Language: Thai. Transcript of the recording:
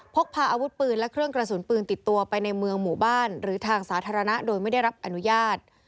พกพาอาวุธปืนและเครื่องกระสุนปืนติดตัวไปในเมืองหมู่บ้านหรือทางสาธารณะโดยไม่ได้รับอนุญาต